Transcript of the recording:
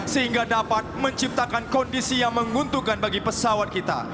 sehingga dapat menciptakan kondisi yang menguntungkan bagi pesawat kita